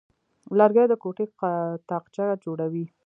لرګی د کوټې تاقچه جوړوي.